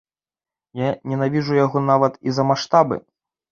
Я ненавіджу яго нават і за маштабы.